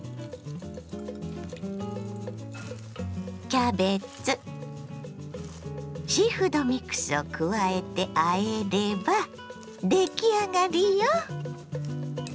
キャベツシーフードミックスを加えてあえれば出来上がりよ。